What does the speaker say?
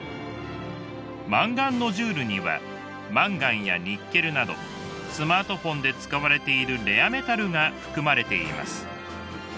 マンガンノジュールにはマンガンやニッケルなどスマートフォンで使われているレアメタルが含まれています。